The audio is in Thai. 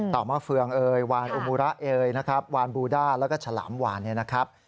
เตาเหมาฟืองวานโอมูระวานบูด้าแล้วก็ฉลามหวาน